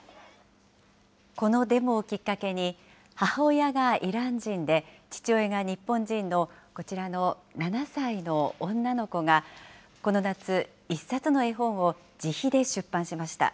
このデモをきっかけに、母親がイラン人で父親が日本人のこちらの７歳の女の子が、この夏、１冊の絵本を自費で出版しました。